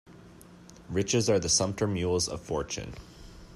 Riches are the sumpter mules of fortune.